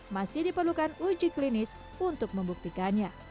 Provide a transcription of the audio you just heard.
masih diperlukan uji klinis untuk membuktikannya